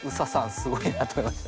すごいなと思いました。